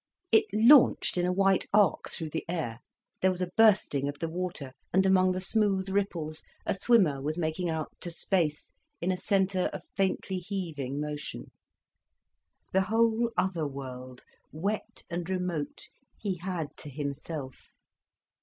It launched in a white arc through the air, there was a bursting of the water, and among the smooth ripples a swimmer was making out to space, in a centre of faintly heaving motion. The whole otherworld, wet and remote, he had to himself.